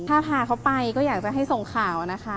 ถ้าพาเขาไปก็อยากจะให้ส่งข่าวนะคะ